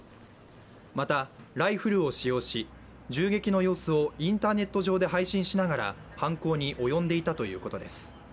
またライフルを使用し、銃撃の様子をインターネット上で配信しながら犯行に及んでいたということです。